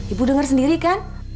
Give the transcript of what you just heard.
ibu denger sendiri kan